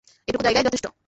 এইটুক জায়গায় যথেষ্ট।